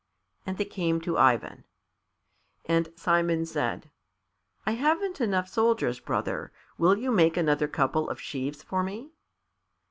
And they came to Ivan. And Simon said, "I haven't enough soldiers, brother. Will you make another couple of sheaves for me?"